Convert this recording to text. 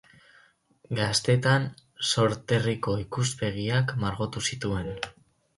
Gaztetan sorterriko ikuspegiak margotu zituen.